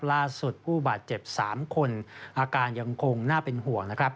ล่าสุดผู้บาดเจ็บ๓คนอาการยังคงน่าเป็นห่วงนะครับ